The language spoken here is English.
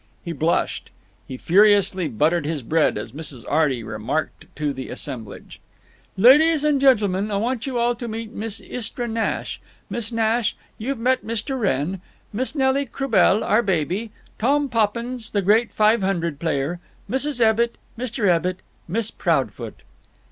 He blushed. He furiously buttered his bread as Mrs. Arty remarked to the assemblage: "Ladies and gentlemen, I want you all to meet Miss Istra Nash. Miss Nash—you've met Mr. Wrenn; Miss Nelly Croubel, our baby; Tom Poppins, the great Five Hundred player; Mrs. Ebbitt, Mr. Ebbitt, Miss Proudfoot."